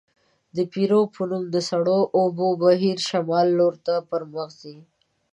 د پیرو په نوم د سړو اوبو بهیر شمال لورته پرمخ ځي.